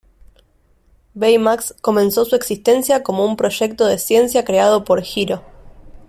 Baymax comenzó su existencia como un proyecto de ciencia creado por Hiro.